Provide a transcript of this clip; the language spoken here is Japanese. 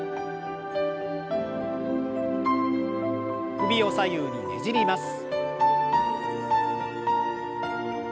首を左右にねじります。